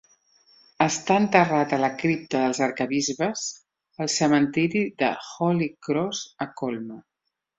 Està enterrat a la Cripta dels Arquebisbes al cementiri de Holy Cross, a Colma.